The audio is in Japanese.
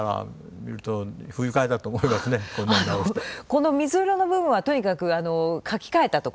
この水色の部分はとにかく書き換えたところですね。